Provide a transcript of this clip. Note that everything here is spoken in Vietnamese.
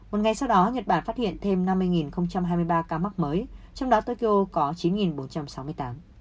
một ngày sau đó nhật bản phát hiện thêm năm mươi hai mươi ba ca mắc mới trong đó tokyo có chín bốn trăm sáu mươi tám